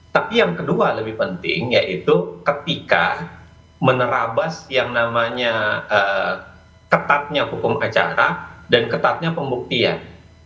tapi yang kedua lebih penting yaitu ketika menerabas yang namanya ketatnya hukum acara dan ketatnya pembuktian